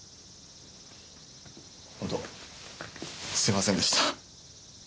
本当すいませんでした。